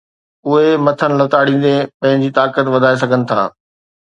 اُھي مٿن لتاڙيندي پنھنجي طاقت وڌائي سگھن ٿا